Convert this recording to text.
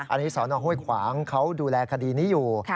อันนี้สอนอห้วยขวางเขาดูแลคดีนี้อยู่